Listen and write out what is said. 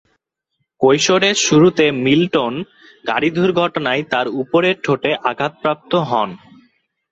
কৈশোরের শুরুতে মিল্টন গাড়ি দুর্ঘটনায় তার উপরের ঠোঁটে আঘাতপ্রাপ্ত হন।